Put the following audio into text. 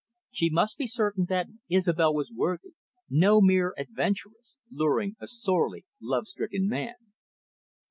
She must be certain that Isobel was worthy, no mere adventuress, luring a sorely love stricken man.